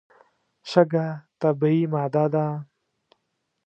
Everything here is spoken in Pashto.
شګه طبیعي ماده ده.